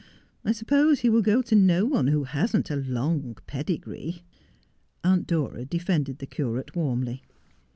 I suppose he will go to no one who hasn't a long pedigree.' Aunt Dora defended the curate warmly.